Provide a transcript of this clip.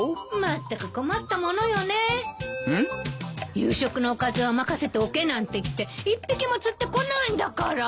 「夕食のおかずは任せておけ」なんて言って１匹も釣ってこないんだから。